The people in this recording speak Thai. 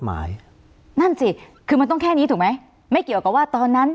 หมายนั่นสิคือมันต้องแค่นี้ถูกไหมไม่เกี่ยวกับว่าตอนนั้น